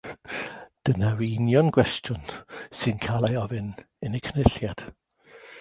Dyna'r union gwestiwn sy'n cael ei ofyn yn y Cynulliad